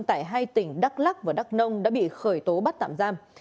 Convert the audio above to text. tại hai tỉnh đắk lắc và đắk nông đã bị khởi tố bắt tạm giam